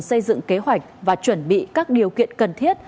xây dựng kế hoạch và chuẩn bị các điều kiện cần thiết